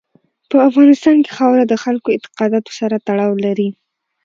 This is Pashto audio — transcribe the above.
په افغانستان کې خاوره د خلکو اعتقاداتو سره تړاو لري.